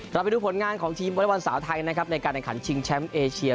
เราไปดูผลงานของทีมวอเล็กบอลสาวไทยนะครับในการแข่งขันชิงแชมป์เอเชีย